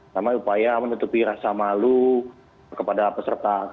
sama upaya menutupi rasa malu kepada peserta klb abal abal